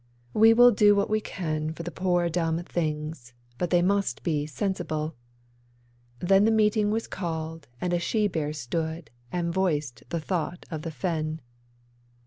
We will do what we can for the poor dumb things, but they must be sensible.' Then The meeting was called and a she bear stood and voiced the thought of the fen.